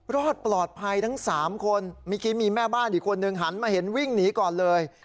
รอดปลอดภัยทั้ง๓คนเมื่อกี้มีแม่บ้านอีกคนนึงหันมาเห็นวิ่งหนีก่อนเลย